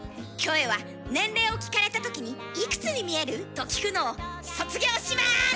キョエは年齢を聞かれたときに「いくつに見える？」と聞くのを卒業します！